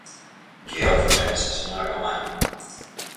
¿Que é o que pensa, señora Caamaño?